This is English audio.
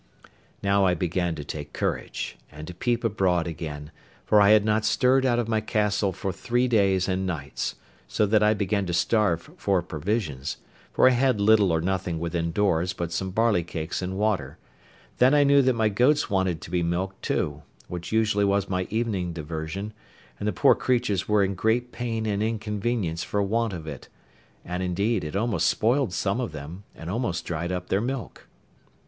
Now I began to take courage, and to peep abroad again, for I had not stirred out of my castle for three days and nights, so that I began to starve for provisions; for I had little or nothing within doors but some barley cakes and water; then I knew that my goats wanted to be milked too, which usually was my evening diversion: and the poor creatures were in great pain and inconvenience for want of it; and, indeed, it almost spoiled some of them, and almost dried up their milk.